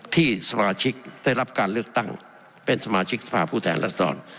ที่สมาชิกได้รับการเลือกตั้งเป็นสมาชิกสภาพผู้แทนรัศดร